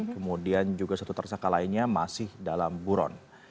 kemudian juga satu tersangka lainnya masih dalam buron